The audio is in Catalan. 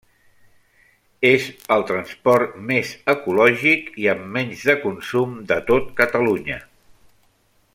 És el transport més ecològic i amb menys de consum de tot Catalunya.